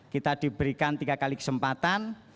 kita diberikan tiga kali kesempatan